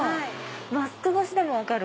マスク越しでも分かる！